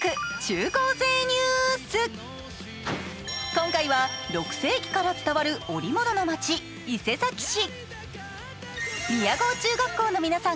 今回は６世紀から伝わる織物の町、伊勢崎市。